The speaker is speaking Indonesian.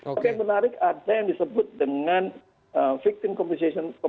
oke menarik ada yang disebut dengan victim compensation fund